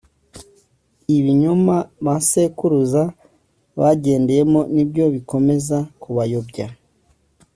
ibinyoma ba sekuruza bagendeyemo ni byo bikomeza kubayobya.